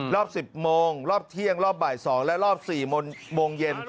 รอบ๑๐โมงรอบเที่ยงรอบบ่าย๒และรอบ๔โมงเย็น